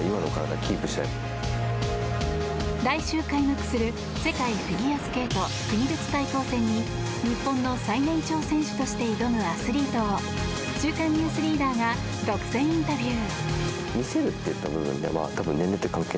来週開幕する世界フィギュアスケート国別対抗戦に日本の最年長選手として挑むアスリートを「週刊ニュースリーダー」が独占インタビュー。